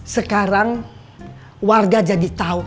sekarang warga jadi tau